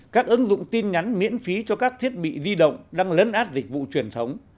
các ứng dụng tin nhắn miễn phí cho các thiết bị di động đang lấn át dịch vụ truyền thống